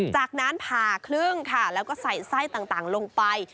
จากนั้นผ่าครึ่งค่ะแล้วก็ใส่ไส้ต่างลงไป